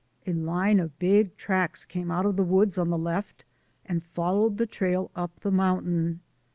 A line of big tracks came out of the woods on the left and followed the trail up the mountain